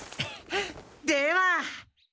では。